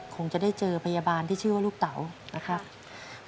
คงจะได้เจอพยาบาลที่ชื่อว่าลูกเต๋านะครับ